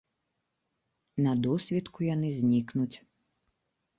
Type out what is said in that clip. На досвітку яны знікнуць.